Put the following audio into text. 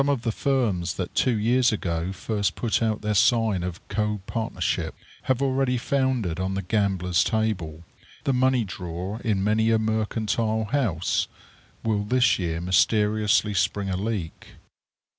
Some of the firms that two years ago first put out their sign of copartnership have already foundered on the gambler's table. The money drawer in many a mercantile house will this year mysteriously spring a leak.